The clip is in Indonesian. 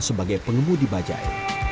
sebagai pengemudi bajai